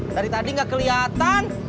dari tadi enggak kelihatan